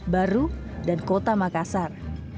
baru dan kota makassar